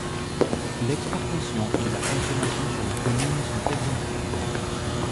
L'exportation et la consommation sur la commune sont exemptées.